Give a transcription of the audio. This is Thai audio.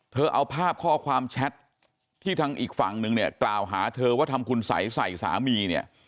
เอาภาพข้อความแชทที่ทางอีกฝั่งนึงเนี่ยกล่าวหาเธอว่าทำคุณสัยใส่สามีเนี่ย